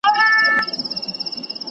¬ مار چي لا خپل غار ته ننوزي، ځان سيده کوي.